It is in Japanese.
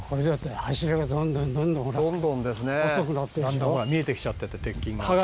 「だんだんほら見えてきちゃってて鉄筋が」